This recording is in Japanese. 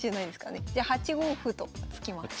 じゃ８五歩と突きます。